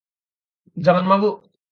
Jangan mabuk!